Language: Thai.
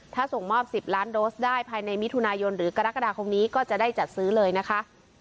ถ้าส่งมอบ๑๐ล้านโดสได้ภายในมิถุนายนหรือกรกฎาคมนี้ก็จะได้จัดซื้อเลยนะคะ